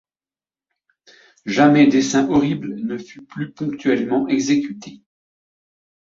Jamais dessein horrible ne fut plus ponctuellement exécuté.